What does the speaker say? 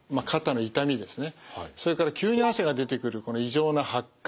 それから急に汗が出てくるこの異常な発汗。